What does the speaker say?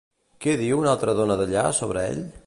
Què diu una altra dona d'allà sobre ell?